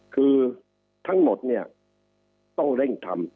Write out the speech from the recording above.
คือทั้งหมดเนี่ยต้องเร่งทำ